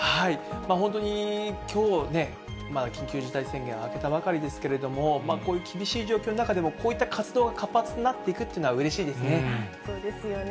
本当にきょう、まだ緊急事態宣言が明けたばかりですけれども、こういう厳しい状況の中でも、こういった活動が活発になっていくっていうのは、うれしいですね。